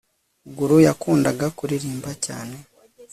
gulu yakundaga kuririmba cyane